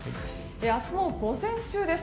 明日の午前中です。